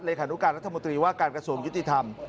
ขานุการรัฐมนตรีว่าการกระทรวงยุติธรรม